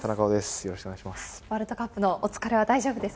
よろしくお願いします。